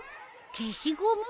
消しゴム！？